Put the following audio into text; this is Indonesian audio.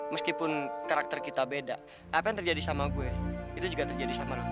meskipun karakter kita beda apa yang terjadi sama gue itu juga terjadi sama orang tua